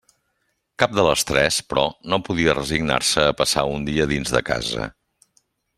Cap de les tres, però, no podia resignar-se a passar un dia dins de casa.